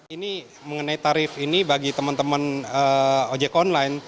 ini mengenai tarif ini bagi teman teman ojek online